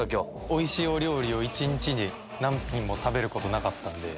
おいしいお料理を一日に何品も食べることなかったんで。